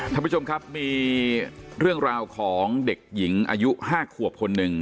ท่านผู้ชมครับมีเรื่องราวของเด็กหญิงอายุ๕ขวบคนหนึ่ง